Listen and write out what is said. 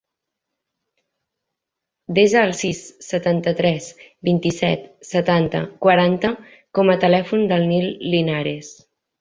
Desa el sis, setanta-tres, vint-i-set, setanta, quaranta com a telèfon del Nil Linares.